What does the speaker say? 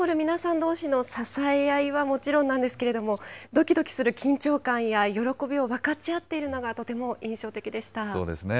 どうしの支え合いはもちろんなんですけれども、どきどきする緊張感や喜びを分かち合っているのがとても印象そうですね。